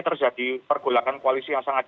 terjadi pergolakan koalisi yang sangat